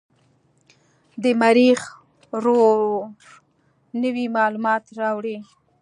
د مریخ روور نوې معلومات راوړي.